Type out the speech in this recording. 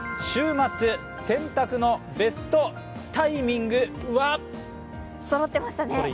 週末洗濯のベストタイミングは？そろってましたね。